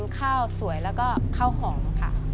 ข้าวสวยแล้วก็ข้าวหอมค่ะ